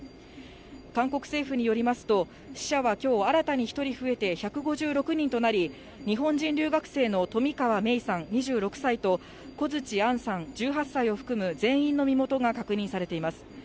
韓国政府によりますと、死者はきょう新たに１人増えて１５６人となり、日本人留学生の冨川芽生さん２６歳と、小槌杏さん１８歳を含む全員の身元が確認されています。